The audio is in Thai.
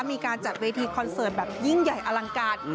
มีการจัดเวทีคอนเสิร์ตแบบยิ่งใหญ่อลังการ